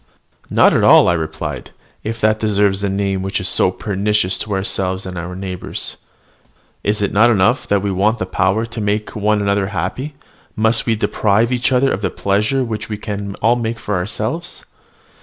"Not at all," I replied, "if that deserves the name which is so pernicious to ourselves and our neighbours. Is it not enough that we want the power to make one another happy, must we deprive each other of the pleasure which we can all make for ourselves?